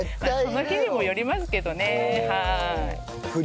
その日にもよりますけどね。